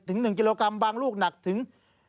๑กิโลกรัมบางลูกหนักถึง